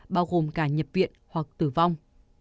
bao gồm cả nhập viện hoặc tử vong